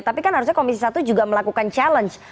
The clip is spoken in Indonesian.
tapi kan harusnya komisi satu juga melakukan challenge